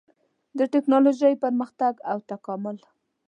د ټېکنالوجۍ پرمختګ او تکامل